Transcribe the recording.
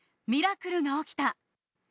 ミラクルが起きた！